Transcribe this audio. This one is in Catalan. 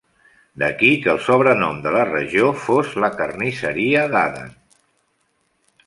D'aquí que el sobrenom de la regió fos "la carnisseria d'Aden".